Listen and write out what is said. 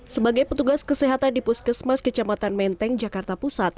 sebagai petugas kesehatan di puskesmas kecamatan menteng jakarta pusat